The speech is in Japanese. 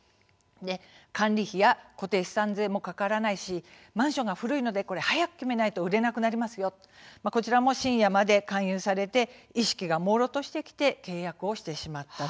管理費や固定資産税もかからないしマンションが古いので早く決めないと売れなくなりますよと深夜まで勧誘されて意識がもうろうとしてきて契約をしてしまった。